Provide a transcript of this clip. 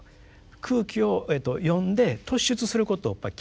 空気を読んで突出することをやっぱり嫌いますから